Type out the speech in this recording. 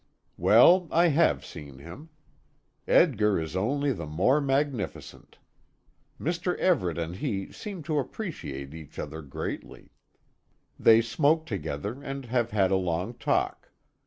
Well, I have seen him. Edgar is only the more magnificent. Mr. Everet and he seem to appreciate each other greatly. They smoke together and have had a long talk.